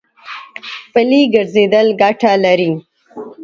پلي ګرځېدل ګټه لري.